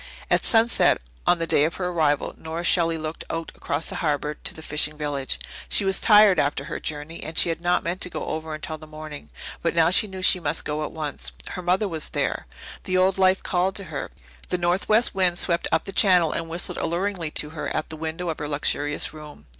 At sunset on the day of her arrival Nora Shelley looked out cross the harbour to the fishing village. She was tired after her journey, and she had not meant to go over until the morning, but now she knew she must go at once. Her mother was over there; the old life called to her; the northwest wind swept up the channel and whistled alluringly to her at the window of her luxurious room.